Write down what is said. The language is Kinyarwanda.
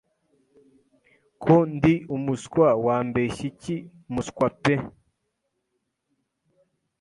Ko ndi umuswa wambeshya iki mu skwa pe